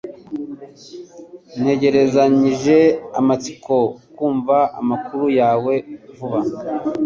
Ntegerezanyije amatsiko kumva amakuru yawe vuba